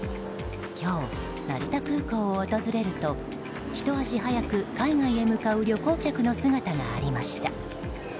今日、成田空港を訪れるとひと足早く海外へ向かう旅行客の姿がありました。